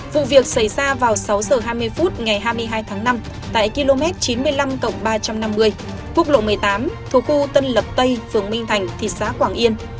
vụ việc xảy ra vào sáu h hai mươi phút ngày hai mươi hai tháng năm tại km chín mươi năm ba trăm năm mươi quốc lộ một mươi tám thuộc khu tân lập tây phường minh thành thị xã quảng yên